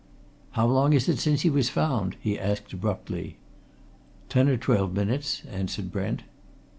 "How long is it since he was found?" he asked abruptly. "Ten or twelve minutes," answered Brent.